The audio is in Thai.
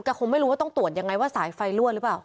ก็คงไม่รู้ว่าต้องตรวจยังไงว่าสายไฟรั่วหรือเปล่า